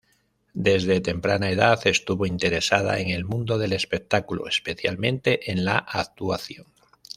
Desde temprana edad estuvo interesada en el mundo del espectáculo, especialmente en la actuación.